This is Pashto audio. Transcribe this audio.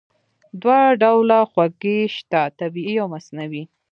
دوه ډوله خوږې شته: طبیعي او مصنوعي.